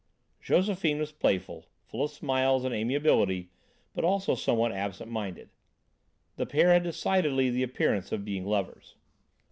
Josephine was playful, full of smiles and amiability, but also somewhat absent minded. The pair had decidedly the appearance of being lovers.